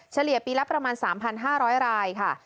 เฉลี่ยปีละประมาณ๓๕๐๐รายค่ะ